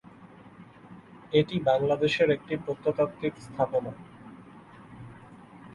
এটি বাংলাদেশের একটি প্রত্নতাত্ত্বিক স্থাপনা।